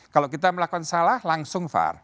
kalau kita melakukan salah langsung var